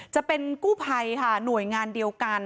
จะเป็นกู้ภัยค่ะหน่วยงานเดียวกัน